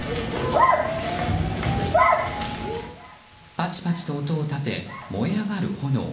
パチパチと音を立て燃え上がる炎。